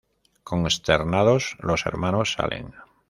Consternados, los hermanos salen.